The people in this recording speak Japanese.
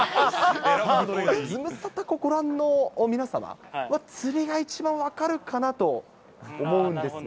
ズムサタご覧の皆様は釣りが一番分かるかなと思うんですが。